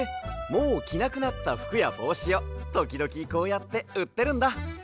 もうきなくなったふくやぼうしをときどきこうやってうってるんだ。